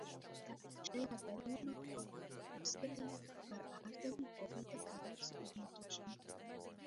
Tātad šajā gadījumā to varētu uzskatīt par ārzemju kredīta pareizu izmantošanu.